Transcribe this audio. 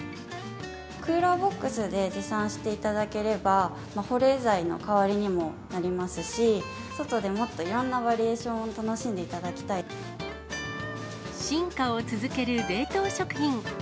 クーラーボックスで持参していただければ、保冷剤の代わりにもなりますし、外でもっと、いろんなバリエーシ進化を続ける冷凍食品。